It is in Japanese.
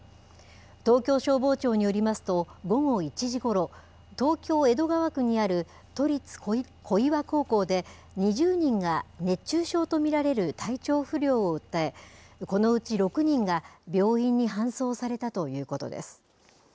東京消防庁によりますと、午後１時ごろ、東京・江戸川区にある都立小岩高校で、２０人が熱中症と見られる体調不良を訴え、このうち６人が病院に搬送されたということです。